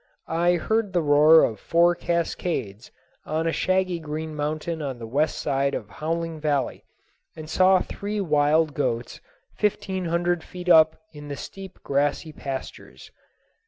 I heard the roar of four cascades on a shaggy green mountain on the west side of Howling Valley and saw three wild goats fifteen hundred feet up in the steep grassy pastures.